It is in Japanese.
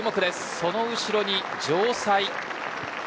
その後ろに城西。